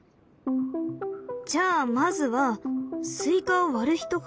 じゃあまずはスイカを割る人から。